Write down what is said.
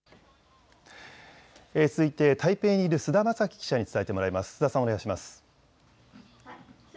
続いて台北にいる須田正紀記者に伝えてもらいます。